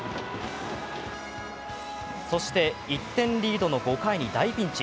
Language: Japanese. そして、１点リードの５回に大ピンチ。